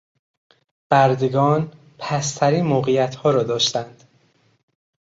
بردگان پستترین موقعیتها را داشتند.